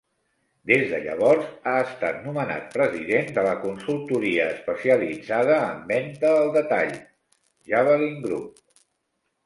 Des de llavors ha estat nomenat president de la consultoria especialitzada en venta al detall "Javelin Group".